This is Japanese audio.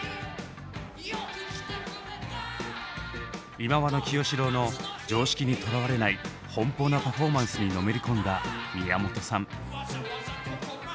忌野清志郎の常識にとらわれない奔放なパフォーマンスにのめり込んだ宮本さん。